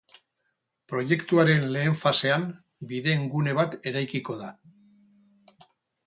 Proiektuaren lehen fasean, bideen gune bat eraikiko da.